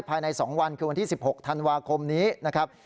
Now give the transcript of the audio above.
ภายใน๒วันคือวันที่๑๖ธันวาคมนี้นะครับ